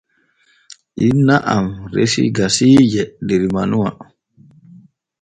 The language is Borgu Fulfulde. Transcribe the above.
Inna am resi gasiije der manuwa.